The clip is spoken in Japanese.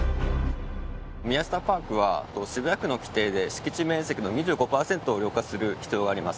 ミヤシタパークは渋谷区の規定で敷地面積の２５パーセントを緑化する必要があります。